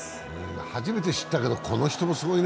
初めて知ったけどこの人もすごいね。